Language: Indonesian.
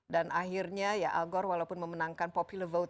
dan akhirnya ya al gore walaupun memenangkan popular vote